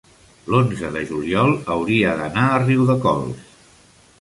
l'onze de juliol hauria d'anar a Riudecols.